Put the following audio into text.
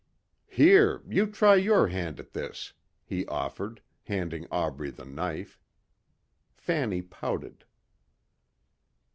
"Here, you try your hand at this," he offered, handing Aubrey the knife. Fanny pouted.